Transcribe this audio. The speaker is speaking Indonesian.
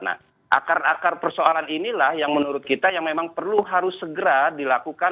nah akar akar persoalan inilah yang menurut kita yang memang perlu harus segera dilakukan